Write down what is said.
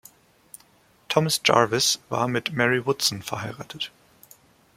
Thomas Jarvis war mit Mary Woodson verheiratet.